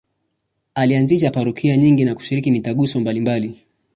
Alianzisha parokia nyingi na kushiriki mitaguso mbalimbali.